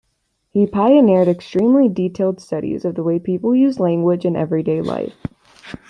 He pioneered extremely detailed studies of the way people use language in everyday life.